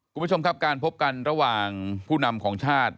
คุณผู้ชมครับการพบกันระหว่างผู้นำของชาติ